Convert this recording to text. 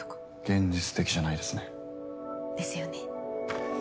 現実的じゃないですね。ですよね。